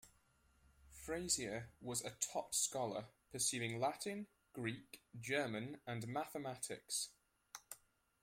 Frazier was a top scholar, pursuing Latin, Greek, German and mathematics.